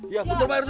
iya betul pak rt